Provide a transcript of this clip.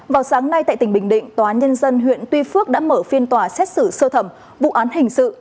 vào sáng nay tại tỉnh bình định tòa nhân dân huyện tuy phước đã mở phiên tòa xét xử sơ thẩm vụ án hình sự